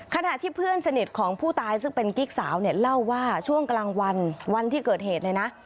ขณะที่เพื่อนสนิทของผู้ตายซึ่งเป็นกิ๊กสาวเนี่ยเล่าว่าช่วงกลางวันวันที่เกิดเหตุเลยนะ